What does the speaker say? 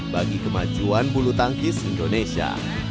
bagi kemajuan bulu tangkis indonesia